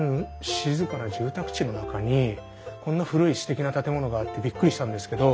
静かな住宅地の中にこんな古いすてきな建物があってびっくりしたんですけど。